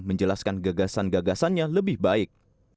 menjelaskan gagasan gagasannya lebih baik